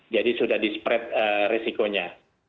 jadi sudah di spread resikonya